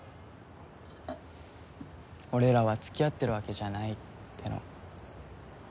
俺らは付き合ってるわけじゃないっての。